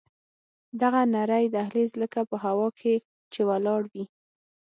دغه نرى دهلېز لکه په هوا کښې چې ولاړ وي.